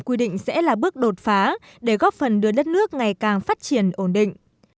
quy định sẽ là bước đột phá để góp phần đưa đất nước ngày càng phát triển ổn định